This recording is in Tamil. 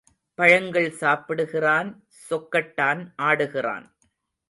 பழங்கள் சாப்பிடுகிறான் சொக்கட்டான் ஆடுகிறான்.